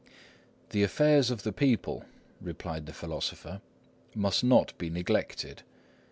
"The affairs of the people," replied the philosopher, "must not be neglected.